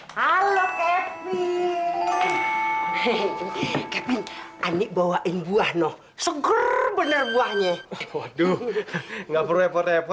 halo kevin hehehe kevin anik bawain buah no seger bener buahnya waduh nggak perlu repot repot